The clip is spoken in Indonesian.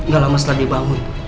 gak lama setelah dia bangun